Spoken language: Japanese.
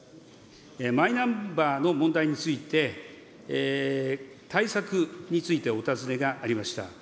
マイナンバーの問題について、対策についてお尋ねがありました。